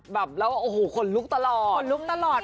แบบแล้วโอ้โหคนลุกตลอด